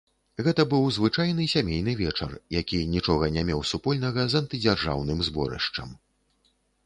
Гэта быў звычайны сямейны вечар, які нічога не меў супольнага з антыдзяржаўным зборышчам.